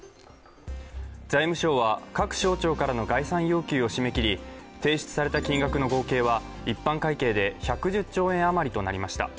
財務省は各省庁からの概算要求を締め切り、提出された金額の合計は一般会計で１１０兆円あまりとなりました。